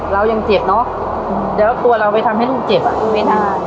เรายังเจ็บเนอะแล้วตัวเราไปทำให้ลูกเจ็บอ่ะไม่ได้